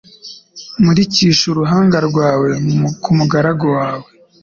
Umurikishe uruhanga rwawe ku mugaragu wawe